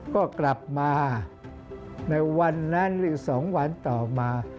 ก็กลับมาในวันนั้นหรือ๒วันต่อมา